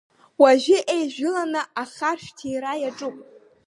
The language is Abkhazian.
Уажәы еижәыланы ахаршә ҭира иаҿуп.